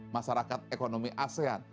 masyarakat ekonomi asean